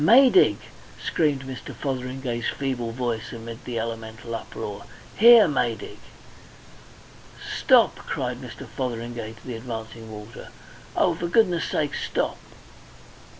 "Maydig!" screamed Mr. Fotheringay's feeble voice amid the elemental uproar. "Here! Maydig! "Stop!" cried Mr. Fotheringay to the advancing water. "Oh, for goodness' sake, stop!